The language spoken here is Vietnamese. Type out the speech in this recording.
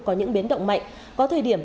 có những biến động mạnh có thời điểm